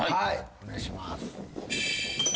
お願いします。